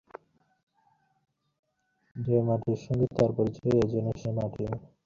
মহেন্দ্র প্রবল শক্তি প্রয়োগ করিয়া সংকোচ দূর করিল।